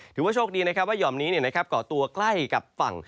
ถือว่าโชคดีนะครับว่าหย่อมนี้เนี่ยนะครับกดตัวกล่ายกับฝั่ง